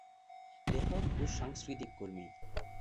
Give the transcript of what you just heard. লেখক ও সাংস্কৃতিক কর্মী।